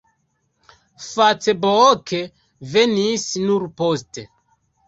Facebook venis nur poste.